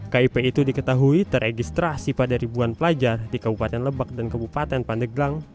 kip itu diketahui teregistrasi pada ribuan pelajar di kabupaten lebak dan kabupaten pandeglang